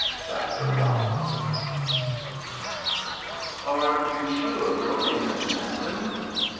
CHAPTER I "Are you sure your name is Manton?"